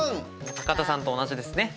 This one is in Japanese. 高田さんと同じですね。